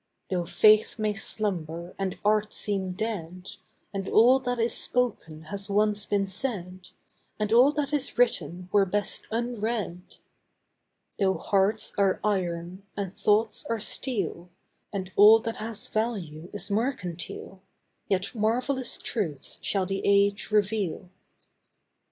Though faith may slumber and art seem dead, And all that is spoken has once been said, And all that is written were best unread; Though hearts are iron and thoughts are steel, And all that has value is mercantile, Yet marvellous truths shall the age reveal.